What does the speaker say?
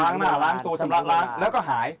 ล้างหน้าล้างตัวมะพุหรสลักแล้วก็หาย